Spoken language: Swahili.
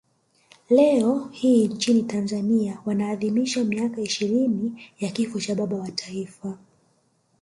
Leo hii nchini Tanzania wanaadhimisha miaka ishirini ya kifo cha baba wa taifa